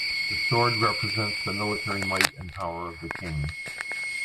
The Sword represents the military might and power of the King.